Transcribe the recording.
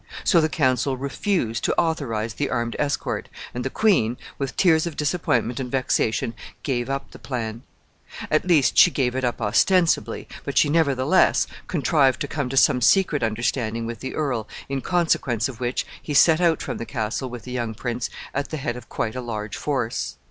So the council refused to authorize the armed escort, and the queen, with tears of disappointment and vexation, gave up the plan. At least she gave it up ostensibly, but she nevertheless contrived to come to some secret understanding with the earl, in consequence of which he set out from the castle with the young prince at the head of quite a large force.